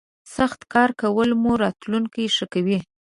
سخت کار کولو مو راتلوونکی ښه کوي.